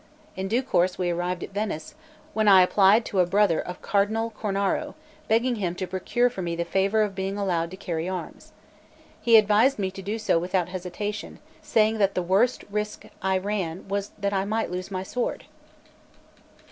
In due course we arrived at Venice, when I applied to a brother of Cardinal Cornaro, begging him to procure for me the favour of being allowed to carry arms. He advised me to do so without hesitation, saying that the worst risk I ran was that I might lose my sword.